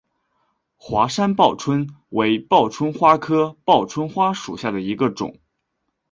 华山报春为报春花科报春花属下的一个种。